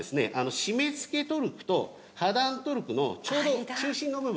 締めつけトルクと破断トルクのちょうど中心の部分。